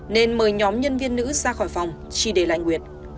nên mời nhóm nhân viên nữ ra khỏi phòng chỉ để lại nguyệt